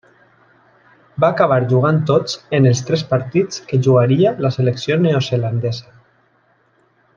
Va acabar jugant tots en els tres partits que jugaria la selecció neozelandesa.